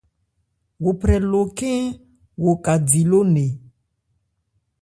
Wo phrɛ lo khɛ́n-ɔn wo ka di ló-nne.